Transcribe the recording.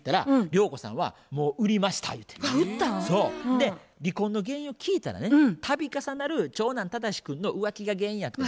で離婚の原因を聞いたらね度重なる長男忠志君の浮気が原因やってん。